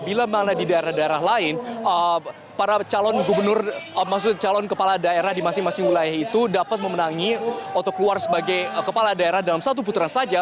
bila mana di daerah daerah lain para calon gubernur maksud calon kepala daerah di masing masing wilayah itu dapat memenangi atau keluar sebagai kepala daerah dalam satu putaran saja